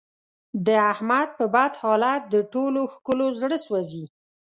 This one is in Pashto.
د احمد په بد حالت د ټول خکلو زړه سوځي.